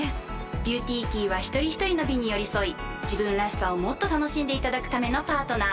「ＢｅａｕｔｙＫｅｙ」は一人ひとりの美に寄り添い自分らしさをもっと楽しんでいただくためのパートナー。